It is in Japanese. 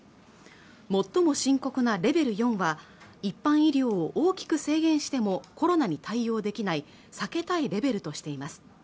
最も深刻なレベル４は一般医療を大きく制限してもコロナに対応できない避けたいレベルとしています